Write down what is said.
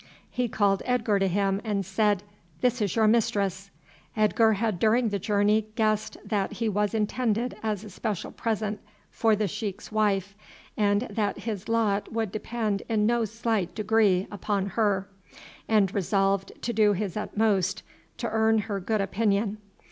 He called Edgar to him and said, "This is your mistress." Edgar had during the journey guessed that he was intended as a special present for the sheik's wife, and that his lot would depend in no slight degree upon her, and resolved to do his utmost to earn her good opinion.